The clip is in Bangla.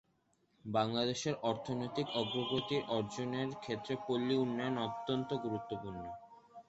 বাংলাদেশের অর্থনৈতিক অগ্রগতি অর্জনের ক্ষেত্রে পল্লী উন্নয়ন অত্যন্ত গুরুত্বপূর্ণ।